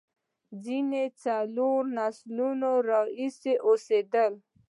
ځینې د څلورو نسلونو راهیسې اوسېدل.